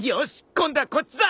今度はこっちだ！